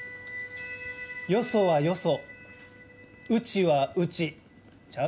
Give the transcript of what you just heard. よそはよそ、うちはうちちゃう？